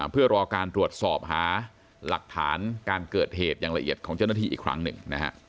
เพื่อรอการตรวจสอบหาหลักฐานการเกิดเหตุอย่างละเอียดของเจ้าหน้าที่อีกครั้งหนึ่ง